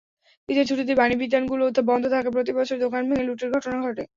ঈদের ছুটিতে বিপণিবিতানগুলো বন্ধ থাকায় প্রতিবছরই দোকান ভেঙে লুটের ঘটনা ঘটে।